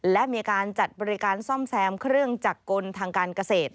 และมีการจัดบริการซ่อมแซมเครื่องจักรกลทางการเกษตร